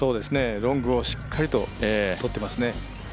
ロングをしっかりととってますね。